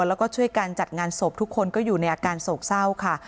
แล้วก็ช่วยกันจัดงานศพทุกคนก็อยู่ในอาการโศกเศร้าค่ะ